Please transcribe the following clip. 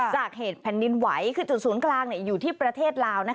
จากเหตุแผ่นดินไหวคือจุดศูนย์กลางอยู่ที่ประเทศลาว